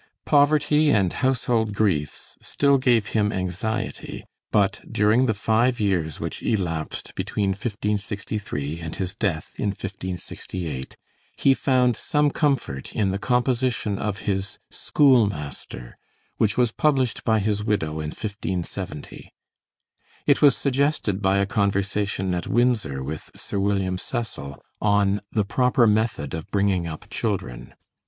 Poverty and "household griefs" still gave him anxiety; but during the five years which elapsed between 1563 and his death in 1568, he found some comfort in the composition of his Schoolmaster, which was published by his widow in 1570. It was suggested by a conversation at Windsor with Sir William Cecil, on the proper method of bringing up children.